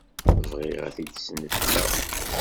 Bɣiɣ ad t-id-snefleɣ.